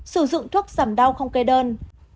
sử dụng thuốc giảm đau không kê đơn